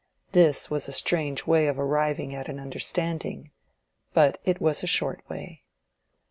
This was a strange way of arriving at an understanding, but it was a short way.